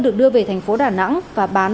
được đưa về thành phố đà nẵng và bán